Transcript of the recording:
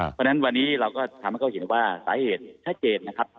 เพราะนั้นวันนี้เราก็ทำเข้าสีว่าสาเหตุทะเจนนะครับ